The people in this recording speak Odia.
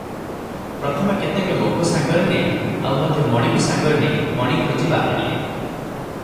ପ୍ରଥମେ କେତେକ ଲୋକ ସାଙ୍ଗରେ ନେଇ ଆଉ ମଧ୍ୟ ମଣିକୁ ସଙ୍ଗରେ ନେଇ ମଣି ଖୋଜି ବାହାରିଲେ ।